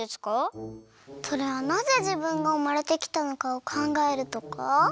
それはなぜじぶんがうまれてきたのかをかんがえるとか？